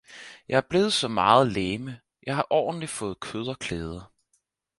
Jeg er blevet så meget legeme, jeg har ordentlig fået kød og klæder